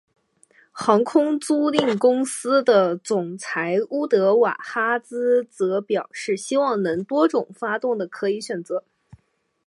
航空租赁公司的总裁乌德瓦哈兹则表示希望能有多种发动的可以选择。